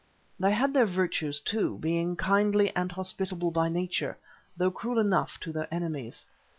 They had their virtues, too, being kindly and hospitable by nature, though cruel enough to their enemies.